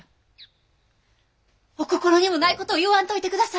お心にもないことを言わんといてください。